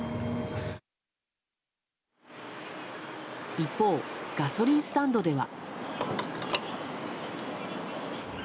一方、ガソリンスタンドでは。